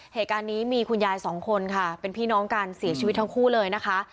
เหตุการณ์นี้มีคุณยายสองคนค่ะเป็นพี่น้องกันเสียชีวิตทั้งคู่เลยนะคะ